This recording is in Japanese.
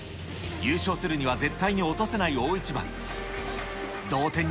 優勝するには絶対に落とせない大一番。